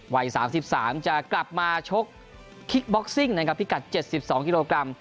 วัย๓๓จะกลับมาชกคิกบ็อกซิ่งนะครับพิกัด๗๒กิโลกรัม